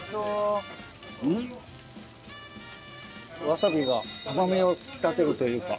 わさびが甘みを引き立てるというか。